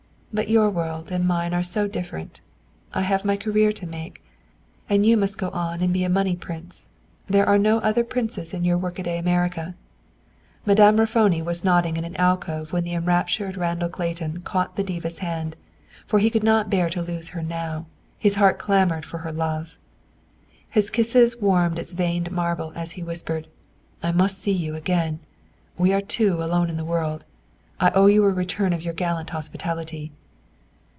But your world and mine are so different. I have my career to make, and you must go on and be a money prince. There are no other princes in your workaday America!" Madame Raffoni was nodding in an alcove when the enraptured Randall Clayton caught the diva's hand. For he could not bear to lose her now; his heart clamored for her love. His kisses warmed its veined marble as he whispered, "I must see you again. We two are alone in the world. I owe you a return of your gallant hospitality."